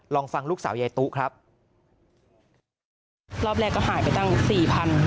ลองฟังลูกสาวยายตุ๊ครับรอบแรกก็หายไปตั้งสี่พัน